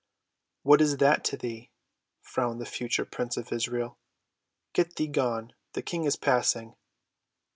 "What is that to thee?" frowned the future prince of Israel. "Get thee gone, the King is passing."